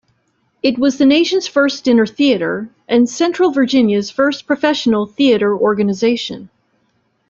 It was the nation's first dinner theater and central Virginia's first professional theatre organization.